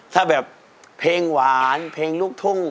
ถ้าแบบเพลงหวานเพลงลูกทุ่ง